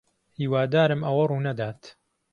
ھیوادارم ئەوە ڕوونەدات.